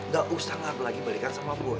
gak usah ngaku lagi balikan sama boy